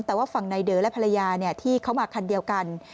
แต่ว่าฝั่งนายเดอร์และภรรยาที่เขามาคันเดียวกัน